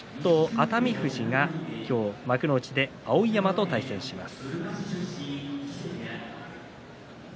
熱海富士が幕内で碧山と対戦します。